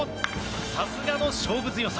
さすがの勝負強さ。